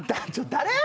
誰？